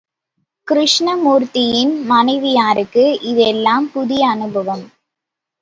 கிருஷ்ணமூர்த்தியின் மனைவியாருக்கு இதெல்லாம் புதிய அனுபவம்.